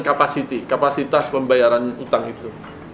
kapasitas pembayaran utang itu